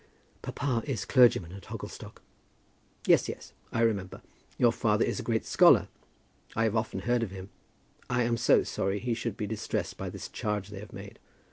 "Papa is clergyman at Hogglestock." "Yes, yes; I remember. Your father is a great scholar. I have often heard of him. I am so sorry he should be distressed by this charge they have made.